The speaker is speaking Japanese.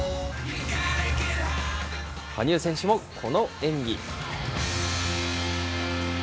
羽生選手もこの演技。